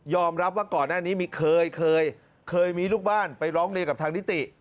รับว่าก่อนหน้านี้เคยเคยมีลูกบ้านไปร้องเรียนกับทางนิติ